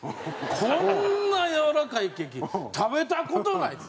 「こんなやわらかいケーキ食べた事ない」。